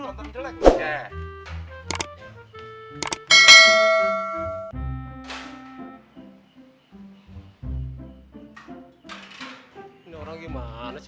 ini kan enak tuh